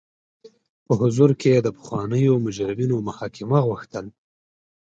په حضور کې د پخوانیو مجرمینو محاکمه غوښتل.